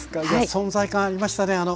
いや存在感ありましたね